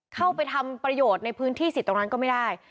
เข้าไปทำประโยชน์ในพื้นที่สิทธิ์ตรงนั้นก็ไม่ได้